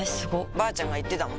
ばあちゃんが言ってたもん